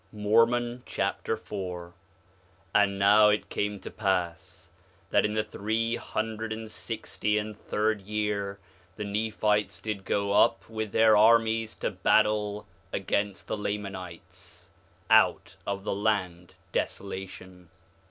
Mormon Chapter 4 4:1 And now it came to pass that in the three hundred and sixty and third year the Nephites did go up with their armies to battle against the Lamanites, out of the land Desolation.